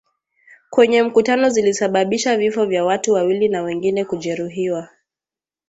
kwenye mkutano zilisababisha vifo vya watu wawili na wengine kujeruhiwa